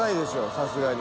さすがに。